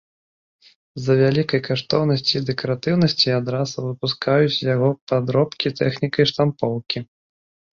З-за вялікай каштоўнасці і дэкаратыўнасці адрасу выпускаюць яго падробкі тэхнікай штампоўкі.